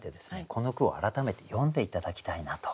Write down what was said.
この句を改めて読んで頂きたいなと。